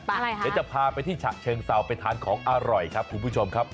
ชัยจะพาไปที่เฉริงซาวที่จะทานของอร่อยค่ะคุณผู้ชมครับ